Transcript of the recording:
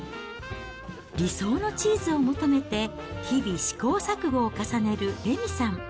理想のチーズを求めて、日々試行錯誤を重ねる玲美さん。